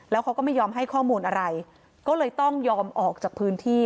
แล้วเขาก็ไม่ยอมให้ข้อมูลอะไรก็เลยต้องยอมออกจากพื้นที่